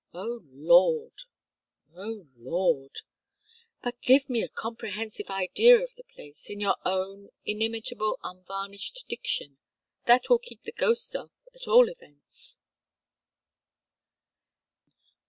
Oh, Lord! Oh, Lord! But give me a comprehensive idea of the place, in your own inimitable unvarnished diction. That will keep the ghosts off, at all events."